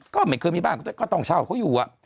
ก็ไม่เคยมีบ้านก็ต้องเช่าเขาอยู่